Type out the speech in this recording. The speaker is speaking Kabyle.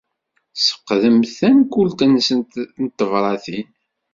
Sfeqdent tankult-nsent n tebṛatin.